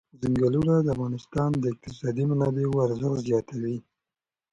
ځنګلونه د افغانستان د اقتصادي منابعو ارزښت زیاتوي.